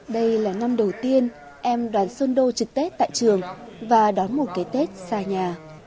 đây là năm đầu tiên em đoàn sơn đô trực tết tại trường và đón một cái tết xa nhà